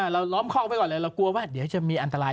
ล้อมคอกไว้ก่อนเลยเรากลัวว่าเดี๋ยวจะมีอันตราย